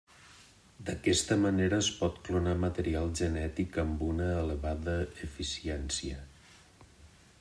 D'aquesta manera es pot clonar material genètic amb una elevada eficiència.